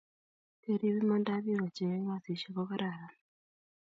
kerip imandaab biko che yae kasisheck ko kararan